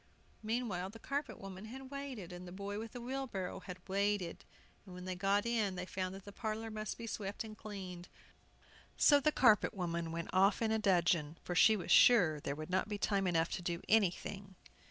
Meanwhile the carpet woman had waited, and the boy with the wheelbarrow had waited, and when they got in they found the parlor must be swept and cleaned. So the carpet woman went off in dudgeon, for she was sure there would not be time enough to do anything.